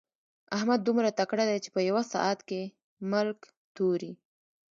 احمد دومره تکړه دی چې په يوه ساعت کې ملک توري.